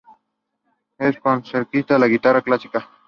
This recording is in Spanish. Es concertista de guitarra clásica.